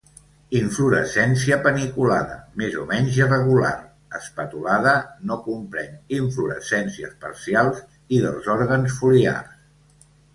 Inflorescència paniculada; més o menys irregular; espatulada; no comprèn inflorescències parcials i dels òrgans foliars.